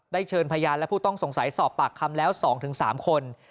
เชิญพยานและผู้ต้องสงสัยสอบปากคำแล้ว๒๓คน